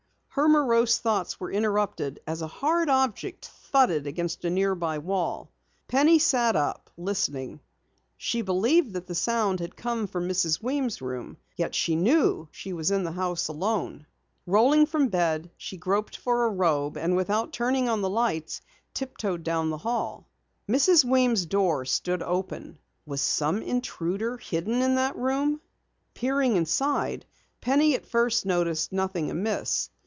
Her morose thoughts were interrupted as a hard object thudded against a nearby wall. Penny sat up, listening. She believed that the sound had come from Mrs. Weems' room, yet she knew she was alone in the house. Rolling from bed, she groped for a robe, and without turning on the lights, tiptoed down the hall. Mrs. Weems' door stood open. Was some intruder hidden in that room? Peering inside, Penny at first noticed nothing amiss.